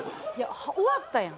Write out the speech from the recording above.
終わったやん。